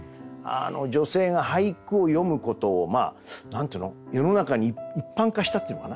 女性が俳句を詠むことを何ていうの世の中に一般化したっていうのかな。